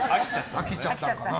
飽きちゃったのかな。